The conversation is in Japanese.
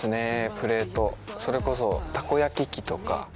プレートそれこそたこ焼き器とか。